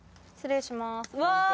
失礼しますうわ。